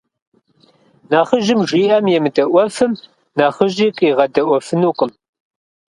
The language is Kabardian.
Нэхъыжьым жиӀэм емыдэӀуэфым, нэхъыщӀи къигъэдэӀуэфынукъым.